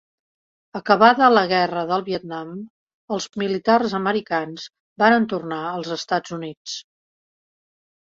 Acabada la guerra del Vietnam els militars americans varen tornar als Estats Units.